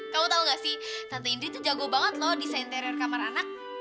kamu tahu enggak sih tante indri itu jago banget lho desain interior kamar anak